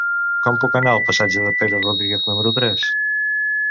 Com puc anar al passatge de Pere Rodríguez número tres?